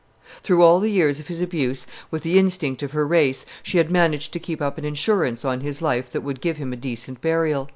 Through all the years of his abuse, with the instinct of her race, she had managed to keep up an insurance on his life that would give him a decent burial.